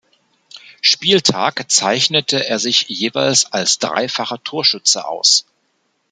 Spieltag zeichnete er sich jeweils als dreifacher Torschütze aus.